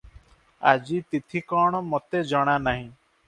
ଆଜି ତିଥି କଣ ମୋତେ ଜଣାନାହିଁ ।